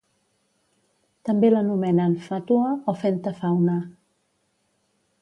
També l'anomenen Fatua o Fenta Fauna.